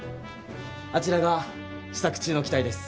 あちらが試作中の機体です。